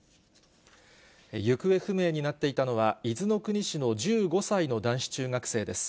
行方不明になっていたのは、伊豆の国市の１５歳の男子中学生です。